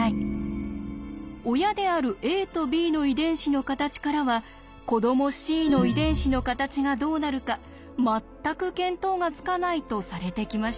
親であるａとｂの遺伝子の形からは子どもｃの遺伝子の形がどうなるか全く見当がつかないとされてきました。